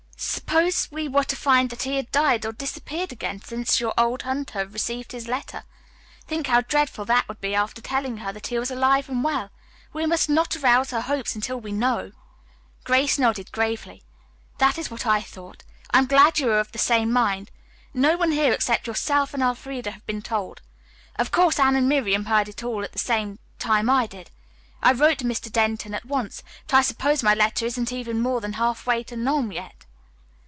"Suppose we were to find that he had died or disappeared again since your old hunter received his letter. Think how dreadful that would be after telling her that he was alive and well. We must not arouse her hopes until we know." Grace nodded gravely. "That is what I thought. I am glad you are of the same mind. No one here except yourself and Elfreda have been told. Of course, Anne and Miriam heard it at the same time I did. I wrote to Mr. Denton at once, but I suppose my letter isn't more than half way to Nome yet."